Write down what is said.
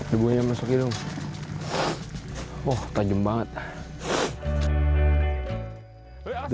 debunya masuk hidung